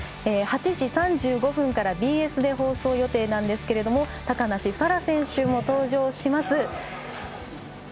８時３５分からＢＳで放送予定なんですが高梨沙羅選手も登場します。